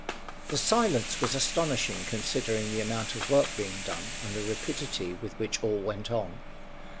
The silence was astonishing, considering the amount of work being done and the rapidity with which all went on.